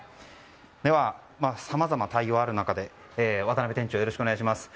では、さまざま対応がある中で渡辺店長よろしくお願いします。